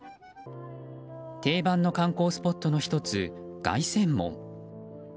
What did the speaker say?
定番の観光スポットの１つ凱旋門。